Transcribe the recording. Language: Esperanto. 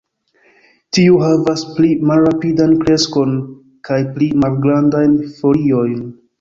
Tiu havas pli malrapidan kreskon kaj pli malgrandajn foliojn.